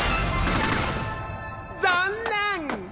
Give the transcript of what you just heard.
残念！